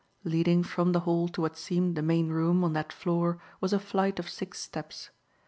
Leading from the hall to what seemed the main room on that floor was a flight of six steps.